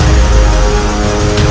kau tak bisa menyembuhkan